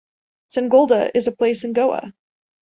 Sangolda is a place in Goa.